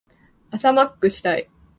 朝マックしたい。